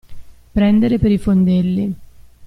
Prendere per i fondelli.